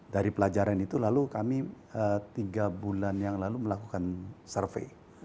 dari pelajaran itu lalu kami tiga bulan yang lalu melakukan survei